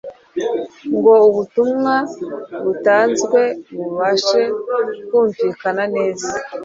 ngo ubutumwa butanzwe bubashe kumvikana neza.